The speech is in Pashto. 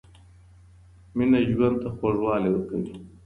مینه ژوند ته خوږوالی ورکوي